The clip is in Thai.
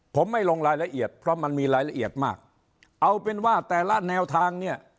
ผมไม่ลงรายละเอียดเพราะมันมีรายละเอียดมากเอาเป็นว่าแต่ละแนวทางเนี่ย